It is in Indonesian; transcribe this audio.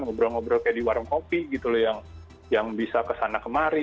ngobrol ngobrolnya di warung kopi gitu loh yang bisa kesana kemari